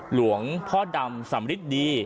หลวงพ่อดำสำริทดี